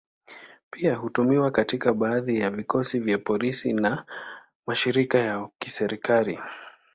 Pia hutumiwa katika baadhi ya vikosi vya polisi na mashirika ya kiserikali.